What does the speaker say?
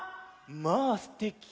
「まぁすてき」。